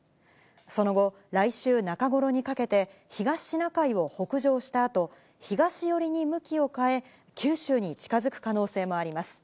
その後、来週中頃にかけて、東シナ海を北上したあと、東寄りに向きを変え、九州に近づく可能性もあります。